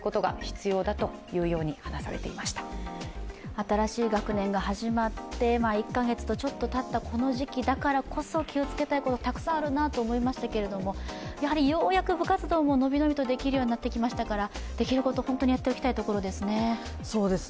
新しい学年が始まって、１か月とちょっとたったこの時期だからこそ気をつけたいことがたくさんあるなと思いましたけども、やはりようやく部活動ものびのびとできるようになりましたからできること本当にやっておきたいところですね。